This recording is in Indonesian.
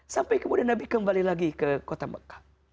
sampai kemudian nabi kembali lagi ke kota mekah